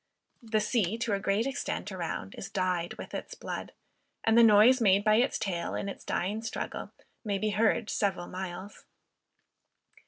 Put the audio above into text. The sea to a great extent around is dyed with its blood, and the noise made by its tail in its dying struggle, may be heard several miles.